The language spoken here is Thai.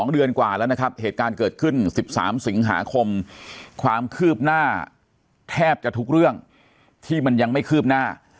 เดือนกว่าแล้วนะครับเหตุการณ์เกิดขึ้น๑๓สิงหาคมความคืบหน้าแทบจะทุกเรื่องที่มันยังไม่คืบหน้า